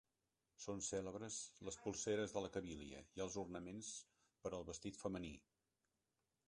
Són cèlebres les polseres de la Cabília i els ornaments per al vestit femení.